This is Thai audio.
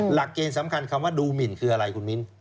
หลักเกณฑ์สำคัญคำว่าดูหมินคืออะไรคุณมิ้น